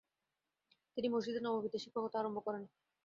তিনি মসজিদে নববীতে শিক্ষকতা আরম্ভ করেন।